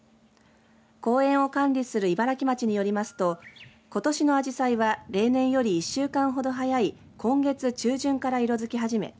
公園を管理する茨城町によりますとことしのあじさいは例年より１週間ほど早い今月中旬から色づき始め